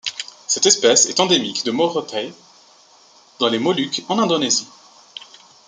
Cette espèce est endémique de Morotai dans les Moluques en Indonésie.